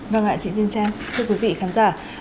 vâng ạ chị thiên trang thưa quý vị khán giả